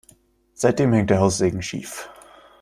Seitdem hängt der Haussegen schief.